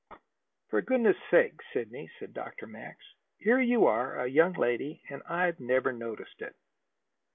"For goodness' sake, Sidney," said Dr. Max, "here you are a young lady and I've never noticed it!"